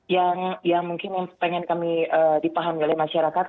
ya yang mungkin yang ingin kami dipahami oleh masyarakat